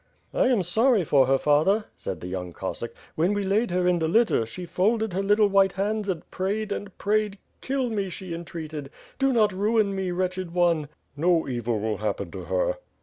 "I am sorry for her, father," said the young Cossack. "When we laid her in the litter, she folded her little white hands and prayed and prayed, *kill me,' she entreated! 'Do not ruin me; wretched one!' " "No evil will happen to her!"